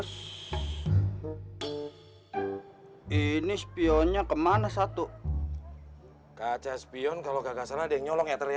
hai ini spionnya kemana satu kaca spion kalau nggak salah dengan nyolong ether ya